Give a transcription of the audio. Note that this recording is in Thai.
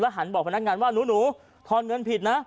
หันบอกพนักงานว่าหนูทอนเงินผิดนะ